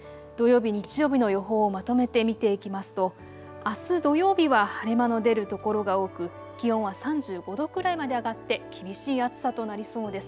土曜日、日曜日の予報をまとめて見ていきますとあす土曜日は晴れ間の出る所が多く気温は３５度くらいまで上がって厳しい暑さとなりそうです。